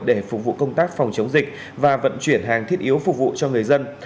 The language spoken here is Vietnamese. để phục vụ công tác phòng chống dịch và vận chuyển hàng thiết yếu phục vụ cho người dân